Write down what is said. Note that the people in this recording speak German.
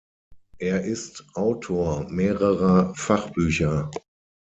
Er ist Autor mehrerer Fachbücher.